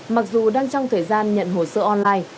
mặc dù đang trong thời gian nhận hồ sơ online